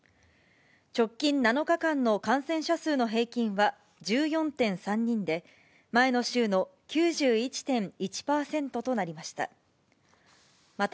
直近７日間の感染者数の平均は１４．３人で、前の週の９１．１％となりました。